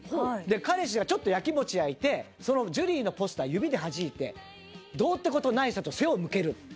彼氏がちょっとやきもち焼いて「ジュリーのポスター指ではじいて“どうってことないさ”と背を向ける」